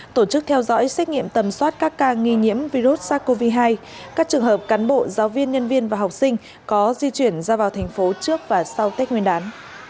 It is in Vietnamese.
tổ chức theo dõi xét nghiệm tầm soát các ca nghi nhiễm virus sars cov hai các trường hợp cán bộ giáo viên nhân viên và học sinh có di chuyển ra vào thành phố trước và sau tết nguyên đán